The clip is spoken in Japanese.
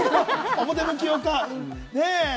表向きか。